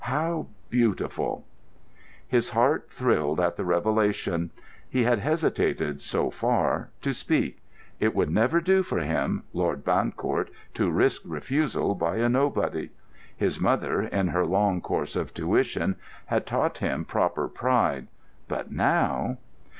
How beautiful! His heart thrilled at the revelation. He had hesitated, so far, to speak. It would never do for him—Lord Bancourt—to risk refusal by a nobody. His mother, in her long course of tuition, had taught him proper pride. But now....